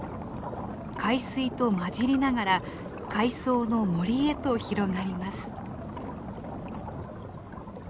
海水と混じりながら海藻の森へと広がります。